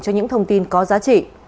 cho những thông tin có giá trị